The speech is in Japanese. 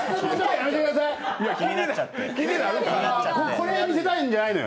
これを見せたいんじゃないのよ。